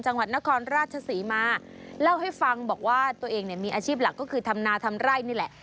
จังหวัดนครราชศรีมาเล่าให้ฟังบอกว่าตัวเองเนี่ยมีอาชีพหลักก็คือทำนาทำไร่นี่แหละ